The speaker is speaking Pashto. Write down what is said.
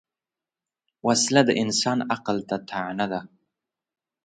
وسله د انسان عقل ته طعنه ده